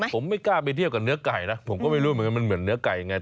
ผมไม่กล้าไปเที่ยวกับเนื้อไก่นะผมก็ไม่รู้เหมือนกันมันเหมือนเนื้อไก่ยังไง